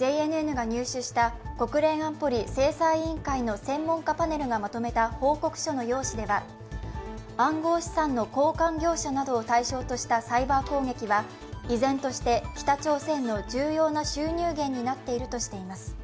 ＪＮＮが入手した国連安保理制裁委員会の専門家パネルがまとめた報告書の要旨では暗号資産の交換業者などを対象としたサイバー攻撃は依然として北朝鮮の重要な収入源になっているとしています。